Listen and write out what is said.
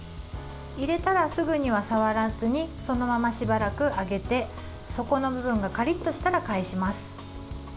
入れたらすぐには触らずにそのまましばらく揚げて底の部分がカリッとしたら返します。